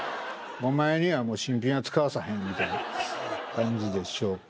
お前にはもう新品は使わさへんみたいな感じでしょうか